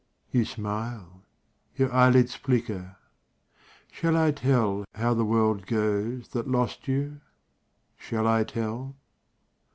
You smile, your eyelids flicker; Shall I tell How the world goes that lost you? Shall I tell?